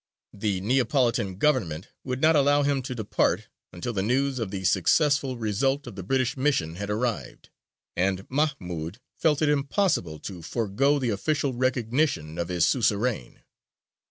The Neapolitan Government would not allow him to depart until the news of the successful result of the British mission had arrived, and Mahmūd felt it impossible to forego the official recognition of his suzerain."